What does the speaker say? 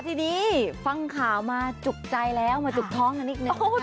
ทีนี้ฟังข่าวมาจุกใจแล้วมาจุกท้องกันนิดนึง